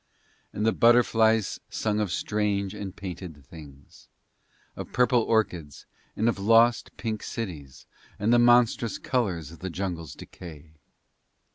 And the butterflies sung of strange and painted things, of purple orchids and of lost pink cities and the monstrous colours of the jungle's decay.